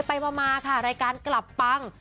ไปมาค่ะรายการกลับปัง